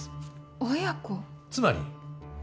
つまり。